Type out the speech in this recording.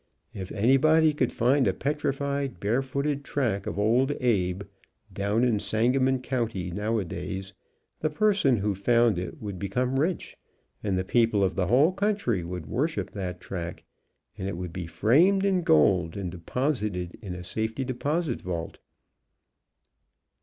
If anybody could find a petrified barefooted track of old Abe, down in Sangamon county, nowadays, the person who found it would be come rich, and the people of the whole country would worship that track, and it would be framed in gold and deposited in a safety deposit vault.